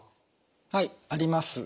はいあります。